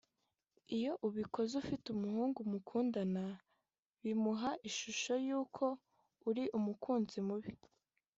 iyo ubikoze ufite umuhungu mukundana bimuha ishusho y’uko uri umukunzi mubi